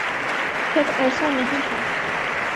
تب ایسا نہیں تھا۔